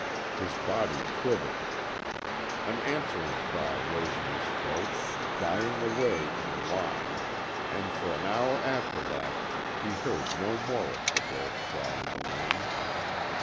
His body quivered. An answering cry rose in his throat, dying away in a whine, and for an hour after that he heard no more of the wolf cry in the wind.